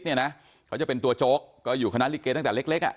เขาจะเป็นตัวโจ๊กก็อยู่คณะลิเกย์ตั้งแต่เล็ก